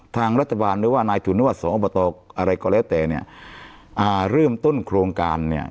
ทางรัฐบาลหรือว่านายทุนหรือว่าสอบตอะไรก็แล้วแต่เนี่ยอ่าเริ่มต้นโครงการเนี่ย